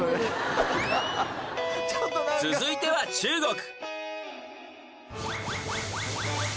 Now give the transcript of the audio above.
［続いては中国］